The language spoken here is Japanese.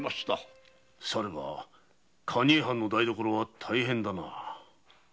されば蟹江藩の台所は大変だな。